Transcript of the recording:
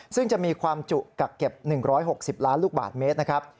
ซึ่งจะมีความจุกักเก็บ๑๖๐ล้านลูกบาทเมตรนะครับ